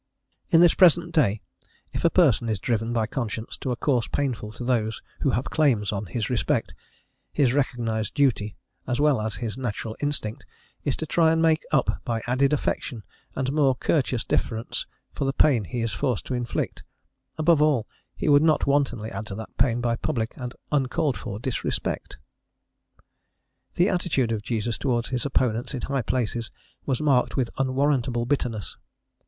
In the present day, if a person is driven by conscience to a course painful to those who have claims on his respect, his recognised duty, as well as his natural instinct, is to try and make up by added affection and more courteous deference for the pain he is forced to inflict: above all, he would not wantonly add to that pain by public and uncalled for disrespect. The attitude of Jesus towards his opponents in high places was marked with unwarrantable bitterness.